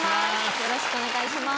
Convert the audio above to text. よろしくお願いします。